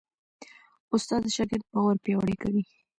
استاد د شاګرد باور پیاوړی کوي.